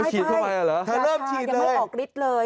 แล้วฉีดเข้าไปเหรอถ้าเริ่มฉีดเลยใช่ยังไม่ออกฤทธิ์เลย